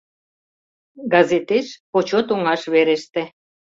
Газетеш «Почет оҥаш» вереште.